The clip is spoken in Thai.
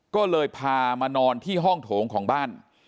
ก็เลยพามานอนที่ห้องโถงของบ้าน